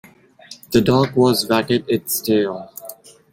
The dog was wagged its tail.